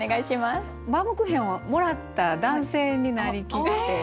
バウムクーヘンをもらった男性になりきって。